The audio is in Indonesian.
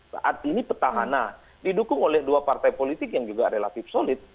saat ini petahana didukung oleh dua partai politik yang juga relatif solid